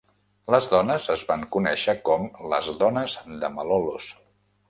Les dones es van conèixer com les Dones de Malolos.